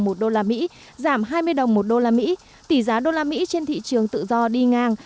một đô la mỹ giảm hai mươi đồng một đô la mỹ tỷ giá đô la mỹ trên thị trường tự do đi ngang